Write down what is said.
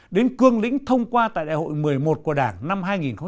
đến cương lĩnh thông qua tại đại hội một mươi một của đảng năm hai nghìn một mươi một